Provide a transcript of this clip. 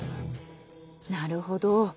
なるほど。